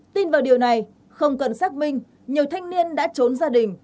tin vào điều này không cần xác minh nhiều thanh niên đã trốn gia đình